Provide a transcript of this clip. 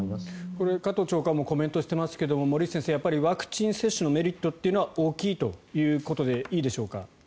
加藤長官もコメントしていますがワクチン接種のメリットは大きいということでいいでしょうか。